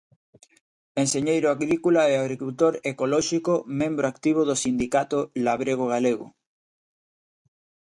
Enxeñeiro agrícola e horticultor ecolóxico, membro activo do Sindicato Labrego Galego.